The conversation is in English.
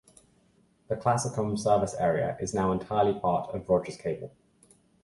The Classicomm service area is now entirely part of Rogers Cable.